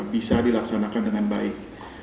bisa dilaksanakan dengan baik